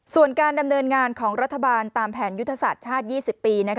ส่วนการดำเนินงานของรัฐบาลตามแผนยุทธศาสตร์ชาติ๒๐ปี